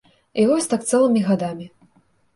І вось так цэлымі гадамі.